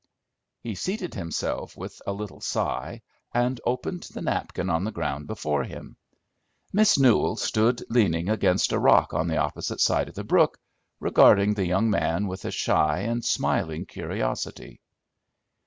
He seated himself, with a little sigh, and opened the napkin on the ground before him. Miss Newell stood leaning against a rock on the opposite side of the brook, regarding the young man with a shy and smiling curiosity.